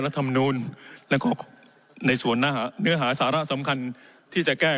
ธรรมนูลแล้วก็ในส่วนเนื้อหาสาระสำคัญที่จะแก้